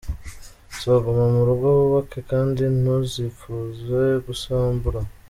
So, guma murugo wubake kandi ntuzipfuze gusambura.